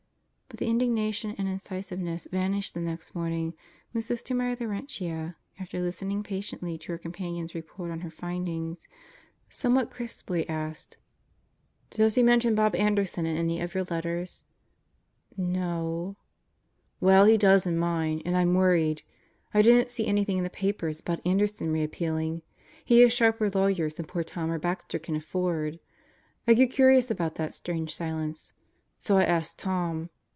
But the indignation and incisiveness vanished the next morning when Sister Mary Laurentia after listening patiently to her companion's report on her findings, somewhat crisply asked, "Does he mention Bob Anderson in any of your letters?" "N o o o." Christmas Gifts 141 "Well, he does in mine, and I'm worried. I didn't see anything in the papers about Anderson re appealing. He has sharper law yers than poor Tom or Baxter can afford. I grew curious about that strange silence; so I asked Tom.